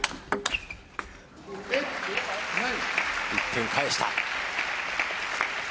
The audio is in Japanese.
１点返した。